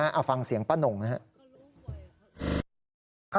เอาฟังเสียงป้านงนะครับ